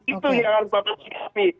itu yang bapak sikapi